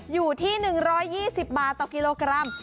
อยู่ที่๑๒๐บาทต่อกิโลกรัม